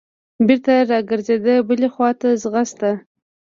بېرته راګرځېده بلې خوا ته ځغسته.